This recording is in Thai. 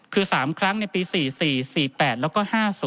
คือ๓ครั้งในปี๔๔๔๘แล้วก็๕๐